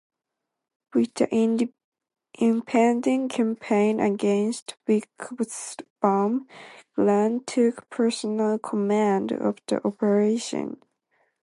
With the impending campaign against Vicksburg, Grant took personal command of the operation.